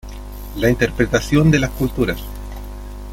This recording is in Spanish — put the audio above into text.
La interpretación de las culturas.